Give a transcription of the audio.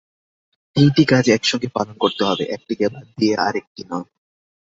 তিনটি কাজ একসঙ্গে পালন করতে হবে, একটিকে বাদ দিয়ে আরেকটি নয়।